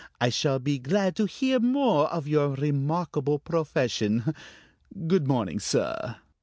I shall be glad to hear more of your remarkable profession. Good morning, sir."